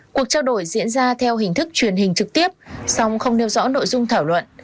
cuộc trao đổi diễn ra theo hình thức truyền hình trực tiếp song không nêu rõ nội dung thảo luận